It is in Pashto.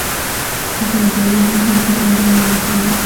زردالو ذهن ته ارام ورکوي.